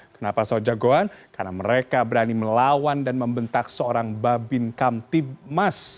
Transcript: kenapa soejang goan karena mereka berani melawan dan membentak seorang babin kamtib mas